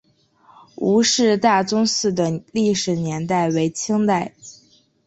伍氏大宗祠的历史年代为清代。